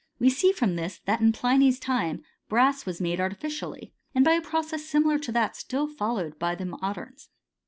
We see from this, that in Pliny's time brass was made artificially, and by a process similar to that still followed by the moderns.